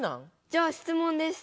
じゃあ質問です。